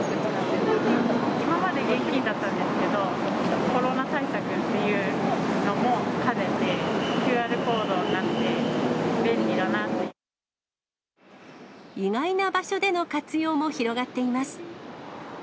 今まで現金だったんですけど、コロナ対策というのも兼ねて、ＱＲコードになって、便利だなっ意外な場所での活用も広がっています。